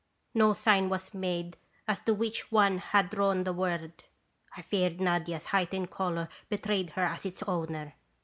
No sign was made as to which one had drawn the word. I feared Nadia's heightened color betrayed her as its owner.